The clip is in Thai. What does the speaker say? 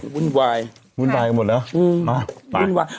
วุ่นวายวุ่นวายกันหมดแล้วอืม